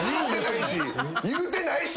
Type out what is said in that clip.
言うてないし。